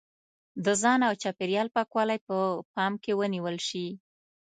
د ځان او چاپېریال پاکوالی په پام کې ونیول شي.